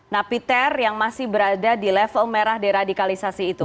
napiter yang masih berada di level merah deradikalisasi itu